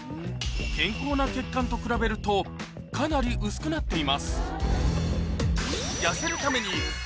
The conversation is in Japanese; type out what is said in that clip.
健康な血管と比べるとかなり薄くなっています